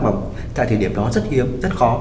và tại thời điểm đó rất hiếm rất khó